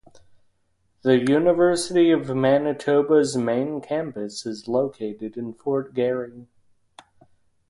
The University of Manitoba's main campus is located in Fort Garry.